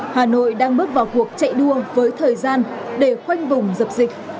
hà nội đang bước vào cuộc chạy đua với thời gian để khoanh vùng dập dịch